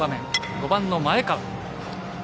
５番の前川。